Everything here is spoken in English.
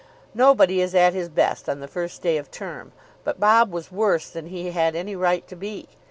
Nobody is at his best on the first day of term; but Bob was worse than he had any right to be.